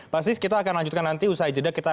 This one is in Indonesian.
pak sis kita akan lanjutkan nanti usai jeda kita